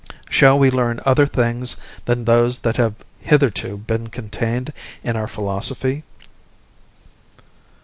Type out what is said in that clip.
Shall we learn other things than those that have hitherto been contained in our philosophy?